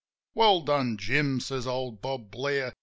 "Well done, Jim," says old Bob Blair.